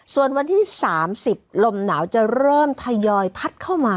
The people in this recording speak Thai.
ส่วนวันที่๓๐ลมหนาวจะเริ่มทยอยพัดเข้ามา